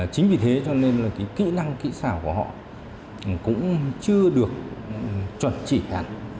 chính vì thế cho nên là cái kỹ năng kỹ xảo của họ cũng chưa được chuẩn chỉ cả